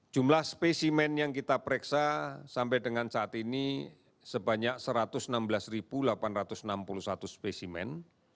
jumlah spesimen yang kita pereksa sampai dengan saat ini sebanyak satu ratus enam belas delapan ratus enam puluh satu spesimen